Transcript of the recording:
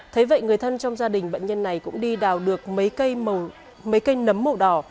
thế vậy người thân trong gia đình bệnh nhân này cũng đi đào được mấy cây nấm màu đỏ